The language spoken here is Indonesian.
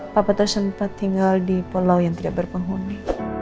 papa tuh sempet tinggal di pulau yang tidak berpenghuni